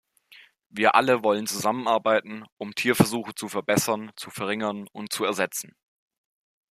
Wir alle wollen zusammenarbeiten, um Tierversuche zu verbessern, zu verringern und zu ersetzen.